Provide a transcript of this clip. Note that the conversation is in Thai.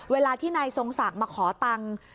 เวลาที่นายทรงศักดิ์มาขอตังค์